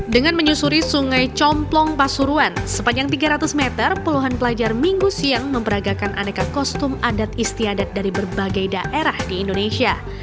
dengan menyusuri sungai complong pasuruan sepanjang tiga ratus meter puluhan pelajar minggu siang memperagakan aneka kostum adat istiadat dari berbagai daerah di indonesia